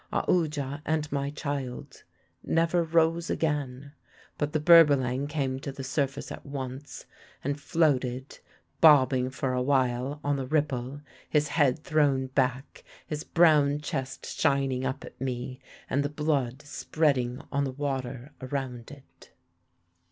Aoodya and my child never rose again; but the Berbalang came to the surface at once and floated, bobbing for a while on the ripple, his head thrown back, his brown chest shining up at me, and the blood spreading on the water around it.